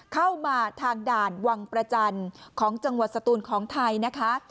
เข้ามาทางด่านวังประจันทร์ของจังหวัดสตูนของไทยนะคะ